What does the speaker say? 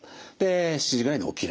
７時ぐらいで起きれる。